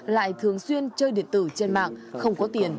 lại thường xuyên chơi điện tử trên mạng không có tiền